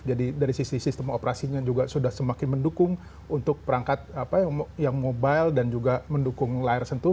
dari sisi sistem operasinya juga sudah semakin mendukung untuk perangkat yang mobile dan juga mendukung layar sentuh